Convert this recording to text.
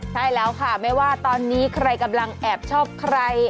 ใช่แล้วค่ะไม่ว่าตอนนี้ใครกำลังแอบชอบใคร